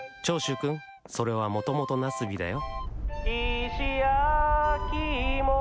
長州くん、それはもともとナスビだよ。